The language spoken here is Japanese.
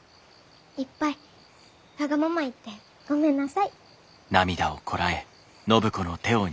いっぱいわがまま言ってごめんなさい。